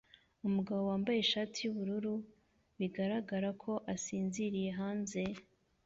Umugabo wambaye ishati yubururu bigaragara ko asinziriye hanze